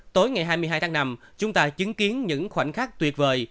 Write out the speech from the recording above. tối ngày hai mươi hai tháng năm chúng ta chứng kiến những khoảnh khắc tuyệt vời